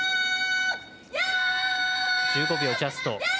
１５秒ジャスト。